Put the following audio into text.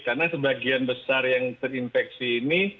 karena sebagian besar yang terinfeksi ini